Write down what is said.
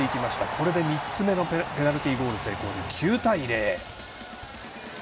これで３つ目のペナルティゴール成功で９対０。